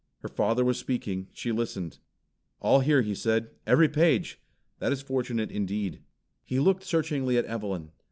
Her father was speaking. She listened. "All here," he said, "every page! That is fortunate indeed." He looked searchingly at Evelyn.